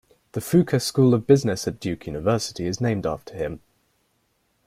The Fuqua School of Business at Duke University is named after him.